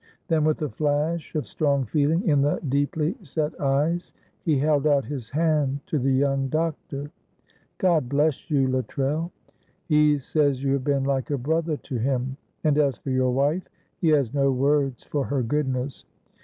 Then with a flash of strong feeling in the deeply set eyes, he held out his hand to the young doctor. "God bless you, Luttrell. He says you have been like a brother to him. And as for your wife, he has no words for her goodness.